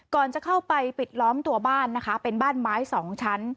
ก่อนจะเข้าไปปิดล้อมตัวบ้านนะคะเป็นบ้านไม้สองชั้น